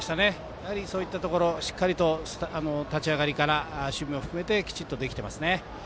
やはりそういったところしっかりと立ち上がりから守備も含めてきちっとできてますね。